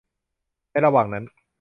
ในระหว่างนั้น